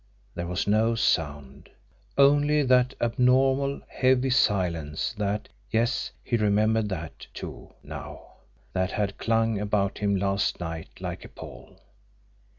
There was no sound; only that abnormal, heavy silence that yes, he remembered that, too, now that had clung about him last night like a pall.